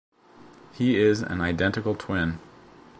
He is an identical twin.